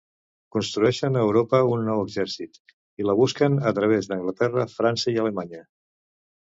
Construeixen a Europa un nou exèrcit i la busquen a través d’Anglaterra, França i Alemanya.